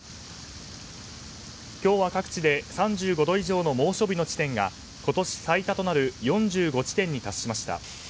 今日は各地で３５度以上の猛暑日の地点が今年最多となる４５地点に達しました。